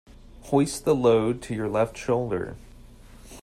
Hoist the load to your left shoulder.